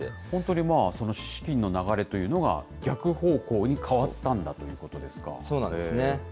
本当に資金の流れというのが、逆方向に変わったんだということそうなんですね。